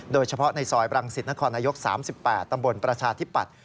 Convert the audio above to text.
โดยเฉพาะในซอยบรังสิตนครนายก๓๘ตำบลประชาธิปัตย